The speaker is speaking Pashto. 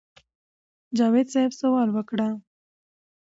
جاوېد صېب سوال وکړۀ